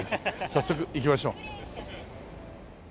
早速行きましょう。